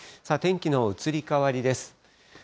さあ、天気の移り変わりです。